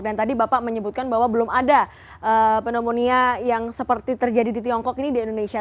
dan tadi bapak menyebutkan bahwa belum ada pneumonia yang seperti terjadi di tiongkok ini di indonesia